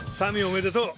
おめでとう。